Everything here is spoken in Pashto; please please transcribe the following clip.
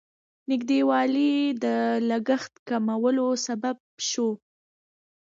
نږدېوالی د لګښت کمولو سبب شو.